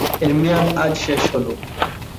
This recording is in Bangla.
এর মেয়াদ আজ শেষ হলো।